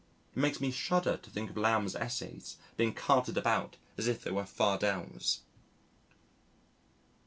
It makes me shudder to think of Lamb's Essays being carted about as if they were fardels.